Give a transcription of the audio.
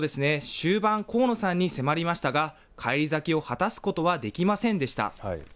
終盤、河野さんに迫りましたが、返り咲きを果たすことはできませんでした。